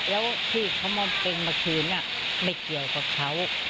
แล้วที่เขามาเป็นมาคืนไม่เกี่ยวกับเขา